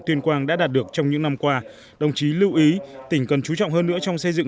tuyên quang đã đạt được trong những năm qua đồng chí lưu ý tỉnh cần chú trọng hơn nữa trong xây dựng